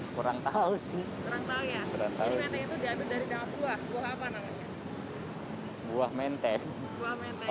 buah yang sama menteng